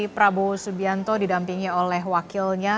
prabowo subianto didampingi oleh wakilnya